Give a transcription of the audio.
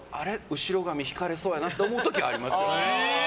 後ろ髪引かれそうやなと思う時はあります。